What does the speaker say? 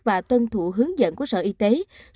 và tuân thủ hướng dẫn của sở y tế